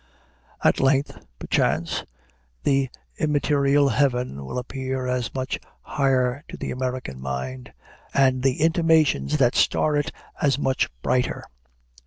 At length, perchance, the immaterial heaven will appear as much higher to the American mind, and the intimations that star it as much brighter.